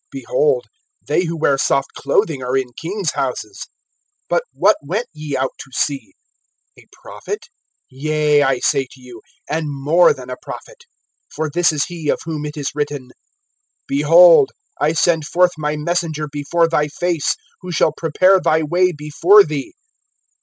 Behold, they who wear soft clothing are in king's houses. (9)But what went ye out to see? A prophet[11:9]? Yea, I say to you, and more than a prophet. (10)For this is he of whom it is written: Behold, I send forth my messenger before thy face, Who shall prepare thy way before thee.